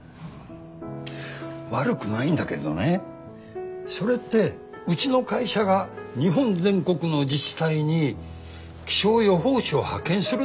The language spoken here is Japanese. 悪くないんだけどねそれってうちの会社が日本全国の自治体に気象予報士を派遣するってこと？